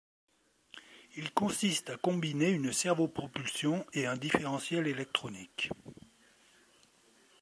Il consiste à combiner une servo-propulsion et un différentiel électronique.